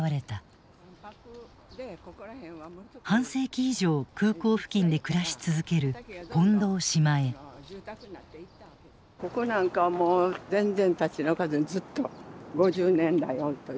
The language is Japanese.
半世紀以上空港付近で暮らし続けるここなんかもう全然立ち退かずにずっと５０年来おるという。